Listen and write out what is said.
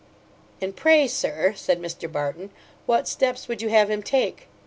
'And pray, Sir (said Mr Barton), what steps would you have him take?